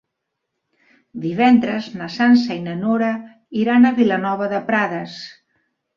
Divendres na Sança i na Nora iran a Vilanova de Prades.